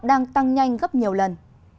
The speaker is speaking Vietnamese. đang tăng nhanh gấp nhiều lần